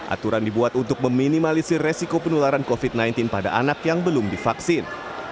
aturan dibuat untuk meminimalisir resiko penularan covid sembilan belas pada anak yang belum divaksin